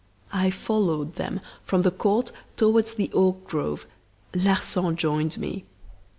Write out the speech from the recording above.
I followed them from the court towards the oak grove. Larsan joined me.